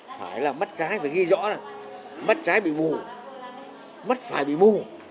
phải là mắt trái phải ghi rõ là mắt trái bị mù mắt phải bị mù